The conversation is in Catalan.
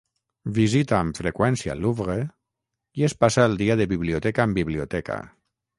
Visita amb freqüència el Louvre i es passa el dia de biblioteca en biblioteca.